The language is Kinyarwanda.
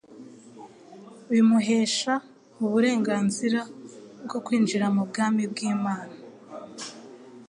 bimuhesha uburenganzira bwo kwinjira mu bwami bw'Imana.